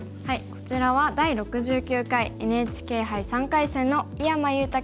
こちらは第６９回ＮＨＫ杯３回戦の井山裕太